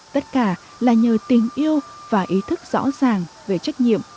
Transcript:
tất cả là nhờ tình yêu và ý thức rõ ràng về trách nhiệm